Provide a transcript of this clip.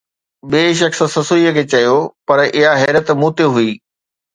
ٻئي شخص سسئيءَ کي چيو، پر اها حيرت مون تي هئي